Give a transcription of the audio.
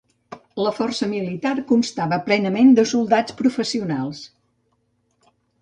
La força militar constava plenament de soldats professionals.